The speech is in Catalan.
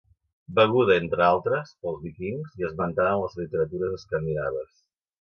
Beguda, entre altres, pels Vikings i esmentada en les literatures escandinaves.